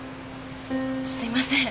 すいません。